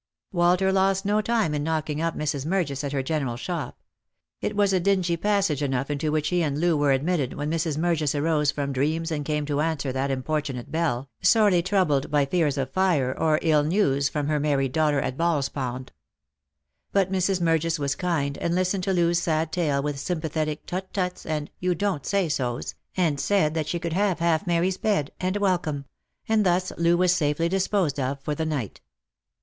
Walter lost no time in knocking up Mrs. Murgis at her gene ral shop. It was a dingy passage enough into which he and Loo were admitted when Mrs. Murgis arose from dreams and came down to answer that importunate bell, sorely troubled by Lost for Love. 115 fears of fire, or ill news from her married daughter at Ball's pond. But Mrs. Murgis was kind, and listened to Loo's sad tale with sympathetic "tat tuts" and "you don't say so's," and said that she could have half Mary's bed, and welcome; and thus Loo was safely disposed of for the night.